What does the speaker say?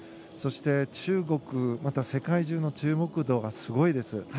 そして世界中の注目度がすごいです。